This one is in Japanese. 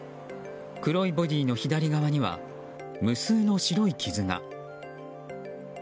黒いボディーの左側には無数の白い傷が。